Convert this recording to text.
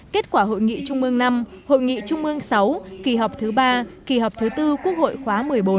kết quả hội nghị trung mương năm hội nghị trung ương sáu kỳ họp thứ ba kỳ họp thứ tư quốc hội khóa một mươi bốn